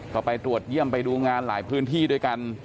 ก็ไปตรวจเยี่ยมไปดูงานหลายพื้นที่ด้วยกัน